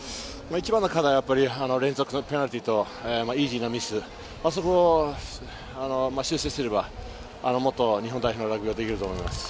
一番の課題は連続のペナルティーとイージーなミス、それを修正すればもっと日本代表のラグビーができると思います。